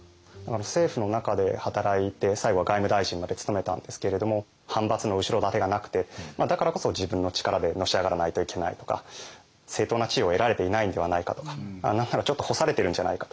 政府の中で働いて最後は外務大臣まで務めたんですけれども藩閥の後ろ盾がなくてだからこそ自分の力でのし上がらないといけないとか正当な地位を得られていないんではないかとか何ならちょっと干されてるんじゃないかとか。